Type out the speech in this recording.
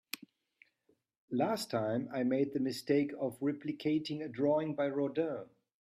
Last time, I made the mistake of replicating a drawing by Rodin.